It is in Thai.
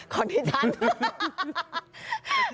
ของดิฉัน